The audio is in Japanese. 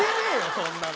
そんなの。